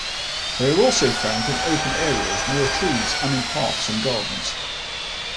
They are also found in open areas near trees and in parks and gardens.